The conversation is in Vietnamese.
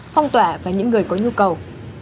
phong tỏa và những người có nhu cầu